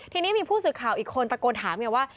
ทีนี้มีผู้สื่อข่าวอีกคนตะโกนถามไงว่า